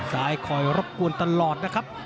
คอยรบกวนตลอดนะครับ